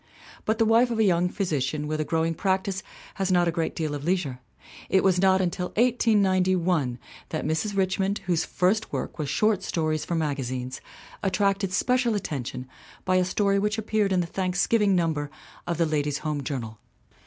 But the wife of a young physician with a growing practice has not a great deal of leisure. It was not until 1891 that Mrs. Richmond, whose first work was short stories for magazines, attracted special attention by a story which appeared in the Thanksgiving number of the Ladies' Home Journal.